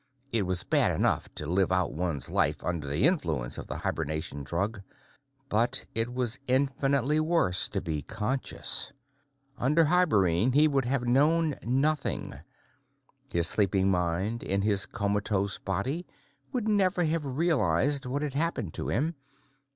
It was bad enough to have to live out one's life under the influence of the hibernation drug, but it was infinitely worse to be conscious. Under hibernene, he would have known nothing; his sleeping mind in his comatose body would never have realized what had happened to him.